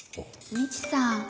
美智さん